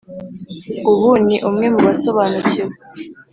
ubu ni umwe mu basobanukiwe,